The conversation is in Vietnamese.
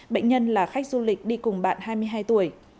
bệnh nhân là khách du lịch đi cùng bạn hai mươi hai tuổi